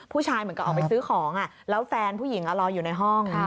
เหมือนกับออกไปซื้อของแล้วแฟนผู้หญิงรออยู่ในห้อง